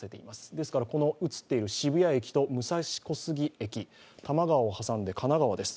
ですから今、映っている渋谷駅と武蔵小杉駅、多摩川を挟んで神奈川です。